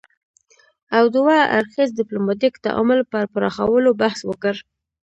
او دوه اړخیز ديپلوماتيک تعامل پر پراخولو بحث وکړ